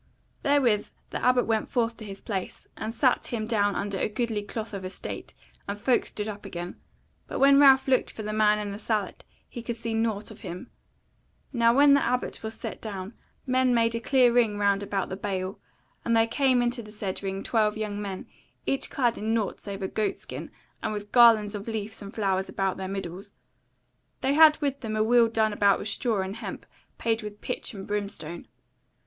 Therewith the Abbot went forth to his place, and sat him down under a goodly cloth of estate, and folk stood up again; but when Ralph looked for the man in the sallet he could see nought of him. Now when the Abbot was set down, men made a clear ring round about the bale, and there came into the said ring twelve young men, each clad in nought save a goat skin, and with garlands of leaves and flowers about their middles: they had with them a wheel done about with straw and hemp payed with pitch and brimstone.